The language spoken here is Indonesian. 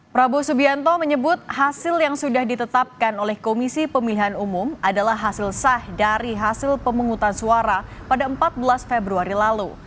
prabowo subianto menyebut hasil yang sudah ditetapkan oleh komisi pemilihan umum adalah hasil sah dari hasil pemungutan suara pada empat belas februari lalu